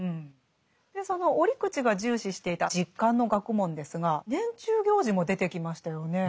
その折口が重視していた実感の学問ですが年中行事も出てきましたよね。